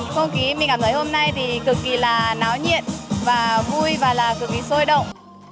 không khí mình cảm thấy hôm nay thì cực kỳ là náo nhiệt và vui và là cực kỳ sôi động